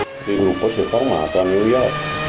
Il gruppo si è formato a New York.